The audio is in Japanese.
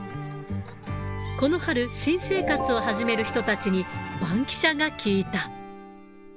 この春、新生活を始める人たちに、バンキシャが聞いた。